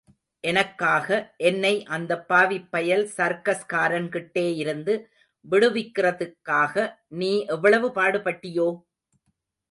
எனக்காக, என்னை அந்தப் பாவிப் பயல் சர்க்கஸ்காரன்கிட்டே இருந்து விடுவிக்கிறதுக்காக, நீ எவ்வளவு பாடுபட்டியோ?